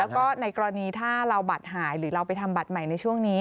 แล้วก็ในกรณีถ้าเราบัตรหายหรือเราไปทำบัตรใหม่ในช่วงนี้